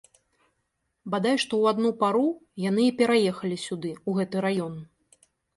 Бадай што ў адну пару яны і пераехалі сюды, у гэты раён.